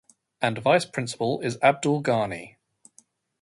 And vice principal is Abdul Ghani.